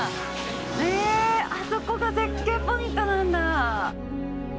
へえ、あそこが絶景ポイントなんだ。